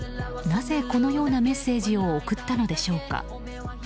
なぜこのようなメッセージを送ったのでしょうか。